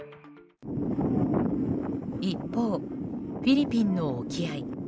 一方、フィリピンの沖合。